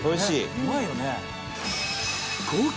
うまいよね。